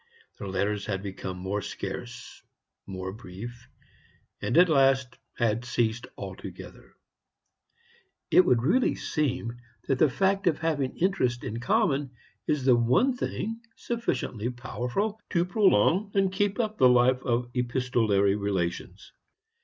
Their letters had become more scarce, more brief, and at last had ceased altogether. It would really seem that the fact of having interests in common is the one thing sufficiently powerful to prolong and keep up the life of epistolary relations.